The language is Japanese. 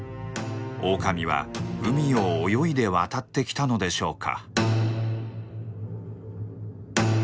オオカミは海を泳いで渡ってきたのでしょうか？